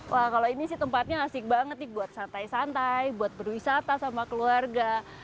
wah kalau ini sih tempatnya asik banget nih buat santai santai buat berwisata sama keluarga